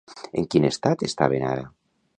En quin estat estaven ara?